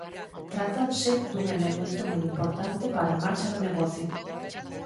Trátase dun elemento moi importante para a marcha do negocio.